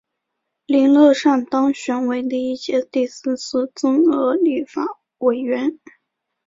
林乐善当选为第一届第四次增额立法委员。